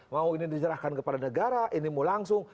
mau ini diserahkan kepada negara ini mau langsung